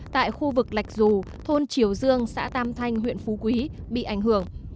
tại khu vực lạch dù thôn triều dương xã tam thanh huyện phú quý bị ảnh hưởng